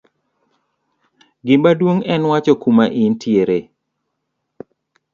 gimaduong' en wacho kuma intiere